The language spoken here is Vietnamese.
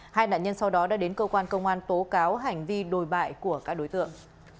hai nạn nhân sau đó đã đến cơ quan công an tố cáo hành vi đồi bại của các đối tượng